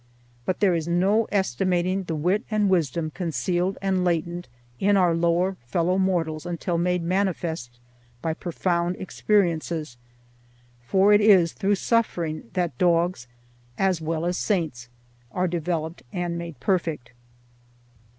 But there is no estimating the wit and wisdom concealed and latent in our lower fellow mortals until made manifest by profound experiences; for it is through suffering that dogs as well as saints are developed and made perfect.